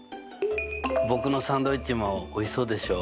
僕のサンドイッチもおいしそうでしょ。